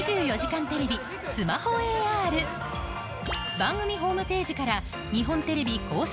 番組ホームページから日本テレビ公式